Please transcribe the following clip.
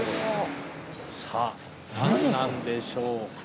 さあ何なんでしょうか？